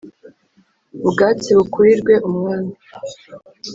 “ubwatsi bukurirwe umwami